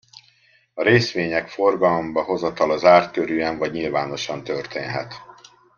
A részvények forgalomba hozatala zártkörűen vagy nyilvánosan történhet.